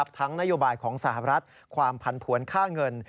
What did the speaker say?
นโยบายของสหรัฐความผันผวนค่าเงิน